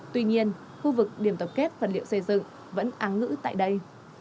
tuy nhiên khu vực điểm tập kết vật liệu xây dựng vẫn áng ngữ tại đây